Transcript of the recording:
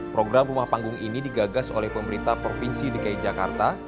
program rumah panggung ini digagas oleh pemerintah provinsi dki jakarta